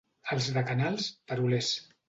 Els de Canals, perolers.